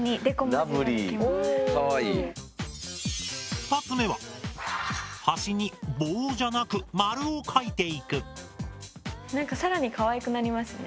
２つ目は端に棒じゃなくなんかさらにかわいくなりますね。